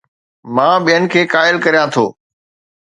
مان ٻين کي قائل ڪريان ٿو